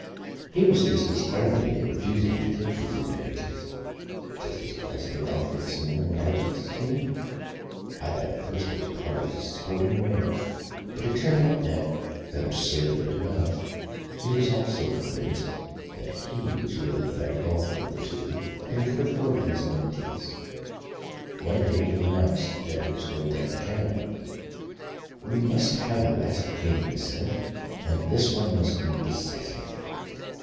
He was just as friendly in refusing to take these advantages, just as pleasant in offering similar indulgences to me. I thought at first it was part of his sporting way, but it turned out that (absurdly enough) he also was convinced that he was really the better golfer of the two, and could afford these amenities. One day he announced that he was going back to Canada. "We must have a last game," he said, "and this one must be decisive."